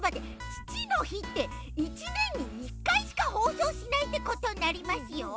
ちちのひって１ねんに１かいしかほうそうしないってことになりますよ。